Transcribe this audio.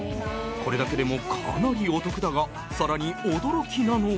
これだけでもかなりお得だがさらに驚きなのは。